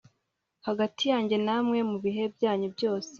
hagati yanjye namwe mu bihe byanyu byose